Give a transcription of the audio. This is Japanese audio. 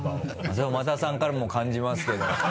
それ馬田さんからも感じますけど。